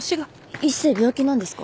一星病気なんですか？